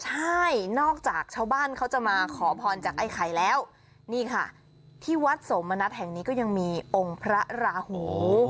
ใช่นอกจากชาวบ้านเขาจะมาขอพรจากไอ้ไข่แล้วนี่ค่ะที่วัดสมณัฐแห่งนี้ก็ยังมีองค์พระราหู